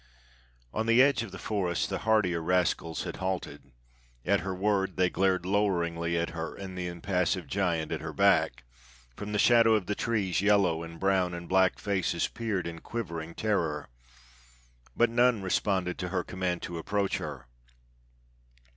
On the edge of the forest the hardier rascals had halted; at her word they glared loweringly at her and the impassive giant at her back; from the shadow of the trees yellow and brown and black faces peered in quivering terror; but none responded to her command to approach her.